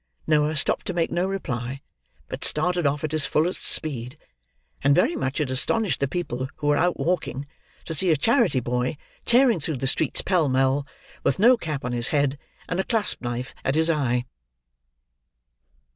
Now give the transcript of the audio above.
Noah stopped to make no reply, but started off at his fullest speed; and very much it astonished the people who were out walking, to see a charity boy tearing through the streets pell mell, with no cap on his head, and a clasp knife at his eye.